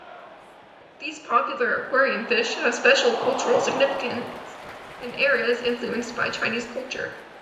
These popular aquarium fish have special cultural significance in areas influenced by Chinese culture.